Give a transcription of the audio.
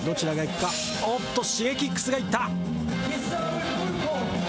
おっとＳｈｉｇｅｋｉｘがいった。